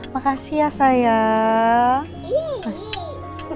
makasih ya sayang